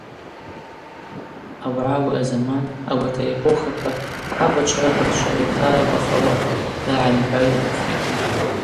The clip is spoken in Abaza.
Аугӏа ауи азаман, ауат аэпохаква хӏабачва рабачва йатарабахауа рагӏанхӏва йрыпхьитӏ.